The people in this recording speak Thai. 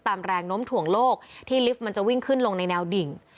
ตามแรงน้มถ่วงโลกที่ลิฟต์มันจะวิ่งขึ้นลงในแนวดิ่ง